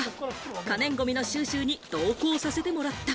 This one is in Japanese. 可燃ごみの収集に同行させてもらった。